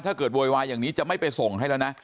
โวยวายอย่างนี้จะไม่ไปส่งให้แล้วนะ